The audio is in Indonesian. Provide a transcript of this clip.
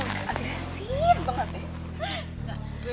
aduh sif banget ya